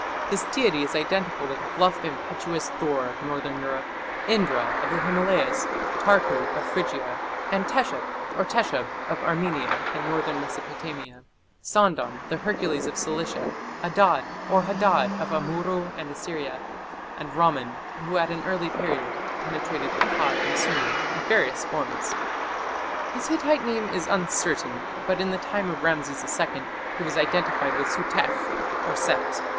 This deity is identical with bluff, impetuous Thor of northern Europe, Indra of the Himalayas, Tarku of Phrygia, and Teshup or Teshub of Armenia and northern Mesopotamia, Sandan, the Hercules of Cilicia, Adad or Hadad of Amurru and Assyria, and Ramman, who at an early period penetrated Akkad and Sumer in various forms. His Hittite name is uncertain, but in the time of Rameses II he was identified with Sutekh (Set).